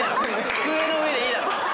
机の上でいいだろ！